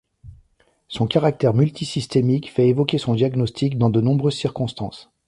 Son caractère multisystémique fait évoquer son diagnostic dans de nombreuses circonstances.